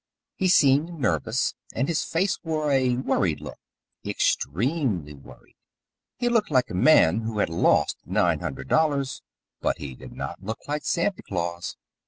He seemed nervous, and his face wore a worried look extremely worried. He looked like a man who had lost nine hundred dollars, but he did not look like Santa Claus.